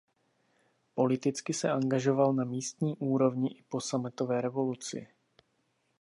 Politicky se angažoval na místní úrovni i po sametové revoluci.